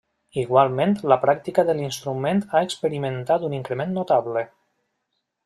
Igualment la pràctica de l'instrument ha experimentat un increment notable.